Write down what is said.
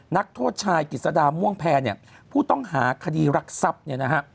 นักโทษชายกฤษฎาม่วงแพ้ผู้ต้องหาคดีรักทรัพย์